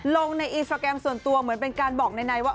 ลงในอินสตราแกรมส่วนตัวเหมือนเป็นการบอกนายว่า